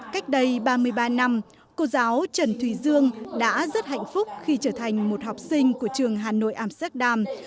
cách đây ba mươi ba năm cô giáo trần thùy dương đã rất hạnh phúc khi trở thành một học sinh của trường hà nội amsterdam